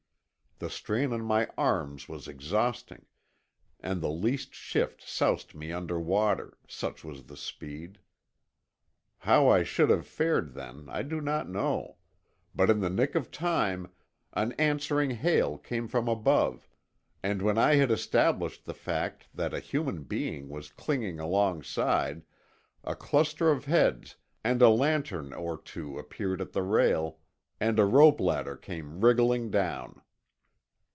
The strain on my arms was exhausting, and the least shift soused me under water, such was the speed. How I should have fared then, I do not know. But in the nick of time an answering hail came from above and when I had established the fact that a human being was clinging alongside, a cluster of heads and a lantern or two appeared at the rail and a rope ladder came wriggling down.